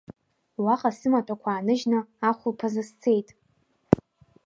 Уаҟа сымаҭәақәа ааныжьны ахәылԥазы сцеит.